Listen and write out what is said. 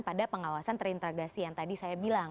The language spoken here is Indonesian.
pada pengawasan terintegrasi yang tadi saya bilang